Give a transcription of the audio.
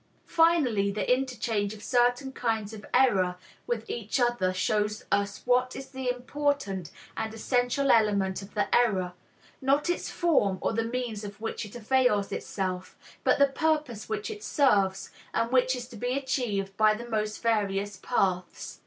Finally, the interchange of certain kinds of error with each other shows us what is the important and essential element of the error, not its form or the means of which it avails itself, but the purpose which it serves and which is to be achieved by the most various paths.